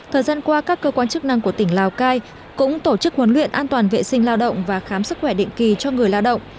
thời gian qua các cơ quan chức năng của tỉnh lào cai cũng tổ chức huấn luyện an toàn vệ sinh lao động và khám sức khỏe định kỳ cho người lao động